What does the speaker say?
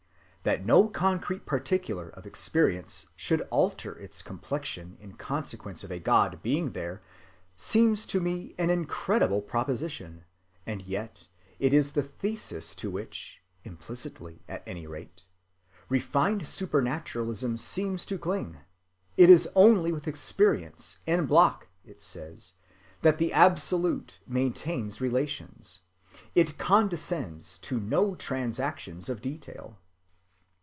That no concrete particular of experience should alter its complexion in consequence of a God being there seems to me an incredible proposition, and yet it is the thesis to which (implicitly at any rate) refined supernaturalism seems to cling. It is only with experience en bloc, it says, that the Absolute maintains relations. It condescends to no transactions of detail.